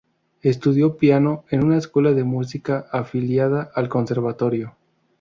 Estudió piano en una escuela de música afiliada al Conservatorio.